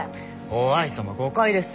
於愛様誤解です。